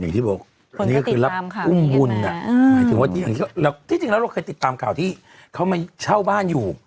อย่างที่บอกแล้วที่เราเคยติดตามข่าวที่เขามาเชาบ้านอยู่